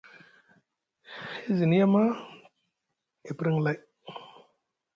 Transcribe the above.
E zini yama, e priŋ lay.